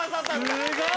・すごい！